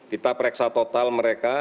kita pereksa total mereka